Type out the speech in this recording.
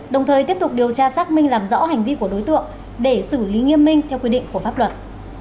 đồng thời tiếp tục điều tra xác minh làm rõ hành vi của đối tượng để xử lý nghiêm minh theo quy định của pháp luật